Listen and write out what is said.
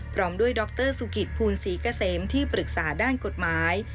พร้อมด้วยดรสุกิตภูนิษฐ์สีกะเสมที่ปรึกษาด้านกฎหมาย